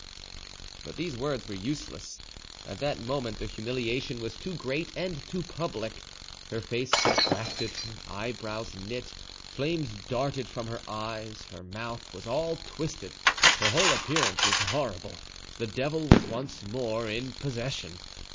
But the words were useless: at that moment the humiliation was too great and too public; her face contracted, her eyebrows knit, flames darted from her eyes, her mouth was all twisted. Her whole appearance was horrible; the devil was once more in possession.